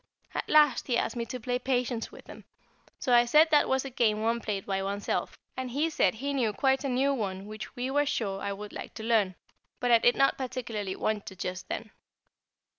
At last he asked me to play Patience with him; so I said that was a game one played by oneself, and he said he knew quite a new one which he was sure I would like to learn; but I did not particularly want to just then.